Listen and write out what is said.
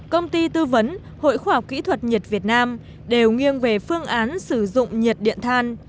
công ty tư vấn hội khoa học kỹ thuật nhiệt việt nam đều nghiêng về phương án sử dụng nhiệt điện than